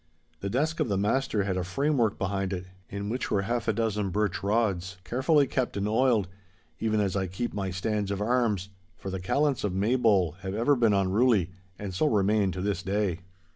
The desk of the master had a framework behind it, in which were half a dozen birch rods, carefully kept and oiled, even as I keep my stands of arms,—for the callants of Maybole have ever been unruly, and so remain to this day.